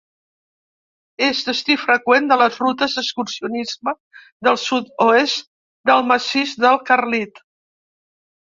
És destí freqüent de les rutes d'excursionisme del sud-oest del Massís del Carlit.